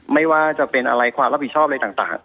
ไม่ว่าจะเป็นอะไรความรับผิดชอบอะไรต่าง